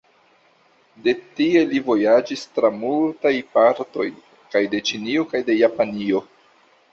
De tie li vojaĝis tra multaj partoj kaj de Ĉinio kaj de Japanio.